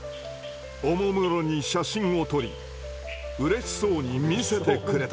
おもむろに写真を撮りうれしそうに見せてくれた。